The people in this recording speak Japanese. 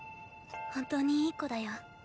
本当にいい子だよ。